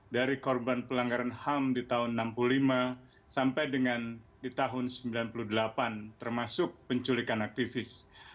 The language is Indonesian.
dari korban pelanggaran ham di tahun seribu sembilan ratus enam puluh lima sampai dengan di tahun seribu sembilan ratus sembilan puluh delapan termasuk penculikan aktivis